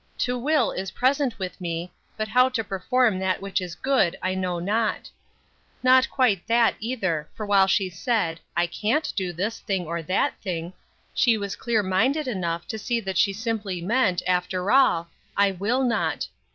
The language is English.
"To will is present with me, but how to perform that which is good I know not." Not quite that, either, for while she said, "I can't do this thing, or that thing," she was clear minded enough to see that it simply meant, after all, "I will not."